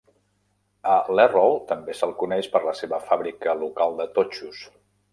A l'Errol també se'l coneix per la seva fàbrica local de totxos.